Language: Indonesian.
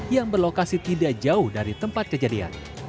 yang berlokasi tidak jauh dari tempat kejadian